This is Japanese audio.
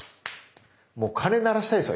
もう鐘鳴らしたいですよ